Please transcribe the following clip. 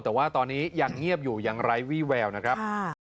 แต่ว่าตอนนี้ยังเงียบอยู่ยังไร้วี่แววนะครับ